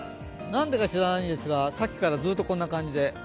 何でか知らないんですが、さっきからずっとこんな感じで。